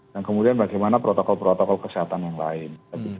dan kemudian bagaimana protokol protokol kesehatan yang lain